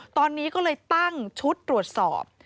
ตอนนี้ก็เลยตั้งชุดตรวจสอบ